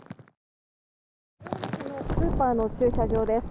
スーパーの駐車場です。